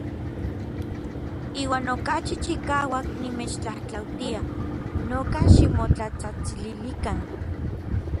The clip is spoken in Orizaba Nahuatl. Iuan okachi chikauak nimechtlatlautia noka ximotlatsajtsililikan.